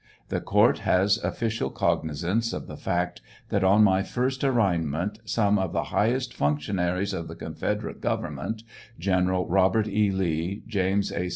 The court has official cognizance ot the fact that on my first arraignment some of the highest functionaries of the confederate government, General Eobert E. Lee, James A.